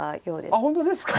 あっ本当ですか。